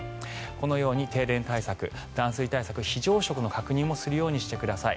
このように停電対策、断水対策非常食の確認もするようにしてください。